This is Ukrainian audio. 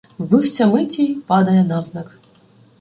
Вбивця Миті падає навзнак.